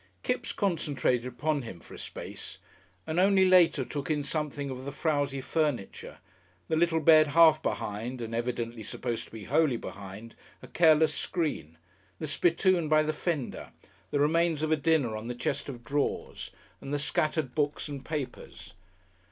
Kipps concentrated upon him for a space, and only later took in something of the frowsy furniture, the little bed half behind, and evidently supposed to be wholly behind, a careless screen, the spittoon by the fender, the remains of a dinner on the chest of drawers and the scattered books and papers.